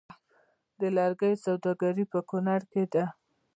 د لرګیو سوداګري په کنړ کې ده